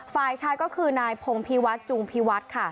ฝ่ายชายก็คือนายพงภีร์วัสตร์จูงภีร์วัสตร์ค่ะ